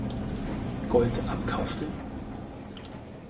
Gold abkaufte.